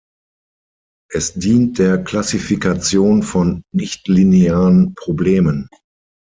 Es dient der Klassifikation von nichtlinearen Problemen.